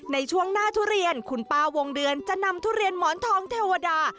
ในช่วงหน้าทุเรียนคุณป้าวงเดือนจะนำทุเรียนหมอนทองเทวดา